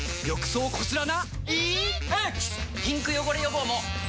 ピンク汚れ予防も！